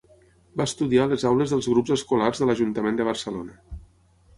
Va estudiar a les aules dels grups escolars de l'Ajuntament de Barcelona.